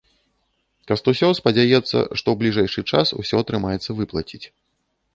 Кастусёў спадзяецца, што ў бліжэйшы час ўсё атрымаецца выплаціць.